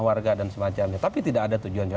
warga dan semacamnya tapi tidak ada tujuannya